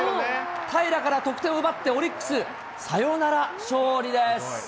平良から得点を奪ってオリックス、サヨナラ勝利です。